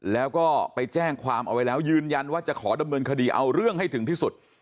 แล้วก็ไปแจ้งความเอาไว้แล้วยืนยันว่าจะขอดำเนินคดีเอาเรื่องให้ถึงที่สุด